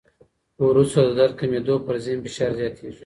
وروسته د درد کمېدو، پر ذهن فشار زیاتېږي.